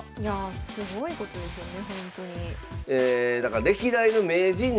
すごいことですよね